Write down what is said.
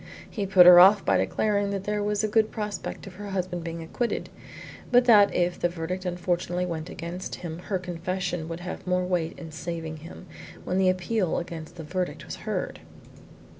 He put her off by declaring that there was a good prospect of her husband being acquitted, but that if the verdict unfortunately went against him her confession would have more weight in saving him, when the appeal against the verdict was heard.